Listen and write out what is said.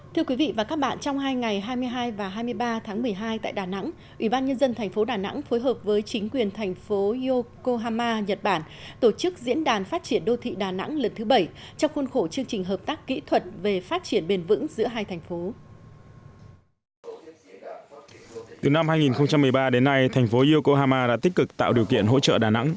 từ năm hai nghìn một mươi ba đến nay thành phố yokohama đã tích cực tạo điều kiện hỗ trợ đà nẵng